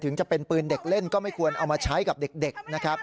จะเป็นปืนเด็กเล่นก็ไม่ควรเอามาใช้กับเด็กนะครับ